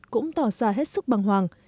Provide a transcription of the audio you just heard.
cũng tỏ ra hết sức băng hoàng